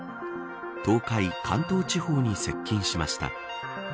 東海・関東地方に接近しました。